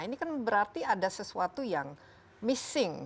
ini kan berarti ada sesuatu yang missing